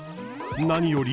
何より。